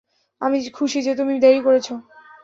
আমি খুশি যে তুমি দেরী করেছো।